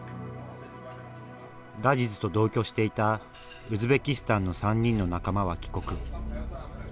ラジズと同居していたウズベキスタンの３人の仲間は帰国。